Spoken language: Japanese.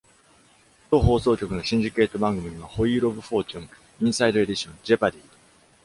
同放送局のシンジケート番組には「ホイール・オブ・フォーチュン」、「インサイドエディション」、「Jeopardy!